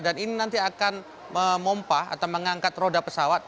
dan ini nanti akan memompah atau mengangkat roda pesawat